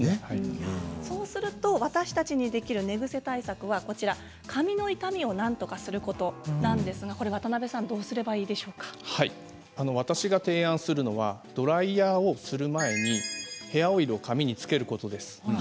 そうすると私たちにできる寝ぐせ対策は髪の傷みをなんとかすることなんですが渡邊さん私が提案するのはドライヤーをする前にヘアオイルを髪につけることです。